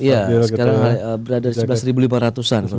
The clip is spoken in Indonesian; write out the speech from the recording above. iya sekarang berada di sebelas lima ratus an